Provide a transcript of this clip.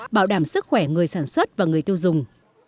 bảo đảm sức khỏe người sản xuất và người tiêu dùng